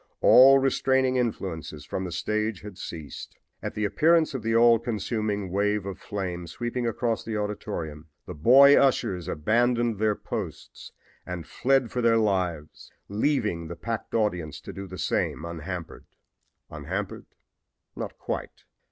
All restraining influences from the stage had ceased. At the appearance of the all consuming wave of flame sweeping across the auditorium the boy ushers abandoned their posts and fled for their lives, leaving the packed audience to do the same unhampered. Unhampered not quite!